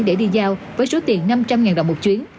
để đi giao với số tiền năm trăm linh đồng một chuyến